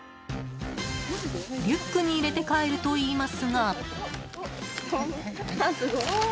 リュックに入れて帰るといいますが。